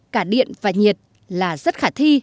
cả điện và nhiệt là rất khả thi